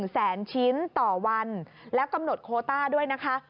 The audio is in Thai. แสนชิ้นต่อวันแล้วกำหนดโคต้าด้วยนะคะ